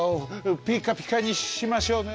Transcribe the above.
ピッカピカにしましょうね。